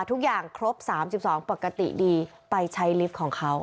ทุกอย่างครบ๓๒ปกติดีไปใช้ลิฟต์ของเขา